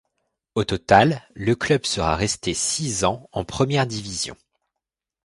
Au total, le club sera resté six ans en première division.